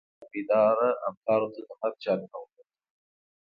دلته فحاشو جاسوسانو بېداره افکارو ته د مرګ جالونه غوړولي.